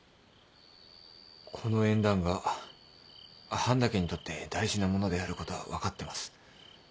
この縁談が半田家にとって大事なものであることは分かってます。